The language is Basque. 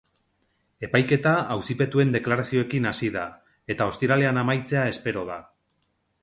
Epaiketa auzipetuen deklarazioekin hasi da, eta ostiralean amaitzea espero da.